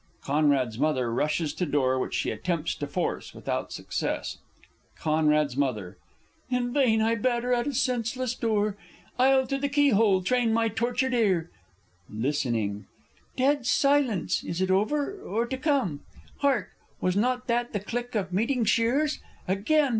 _ C.'s M. rushes to door which she attempts to force without success. C.'s M. In vain I batter at a senseless door, I'll to the keyhole train my tortured ear. (Listening.) Dead silence! ... is it over or, to come? Hark! was not that the click of meeting shears?... Again!